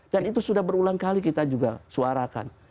dan itu sudah berulang kali kita juga suarakan